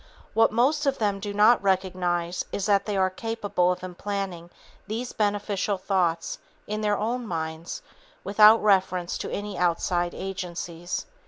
What most of them do not recognize is that they are capable of implanting these beneficial thoughts in their own minds without reference to any outside agencies.